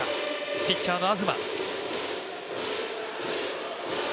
ピッチャーの東。